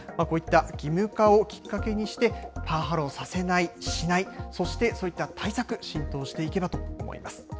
こういった義務化をきっかけにして、パワハラをさせない、しない、そしてそういった対策、浸透していけばと思います。